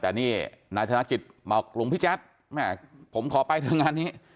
แต่นี่นายธนกิจบอกหลวงพี่แจ๊ดแม่ผมขอไปเถอะงานนี้